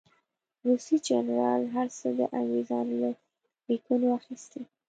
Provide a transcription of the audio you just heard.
روسي جنرال هر څه د انګرېزانو له لیکنو اخیستي.